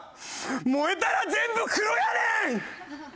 燃えたら全部黒やねん！！